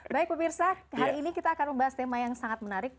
baik pemirsa hari ini kita akan membahas tema yang sangat menarik